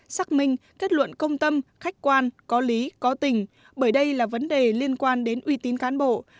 xác minh kết luận công tâm khách quan có lý có tình bởi đây là vấn đề liên quan đến uy tín cán bộ